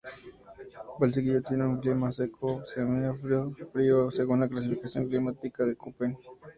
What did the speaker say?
Valsequillo tiene un clima seco semiárido frío según la clasificación climática de Köppen.